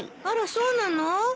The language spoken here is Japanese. あらそうなの？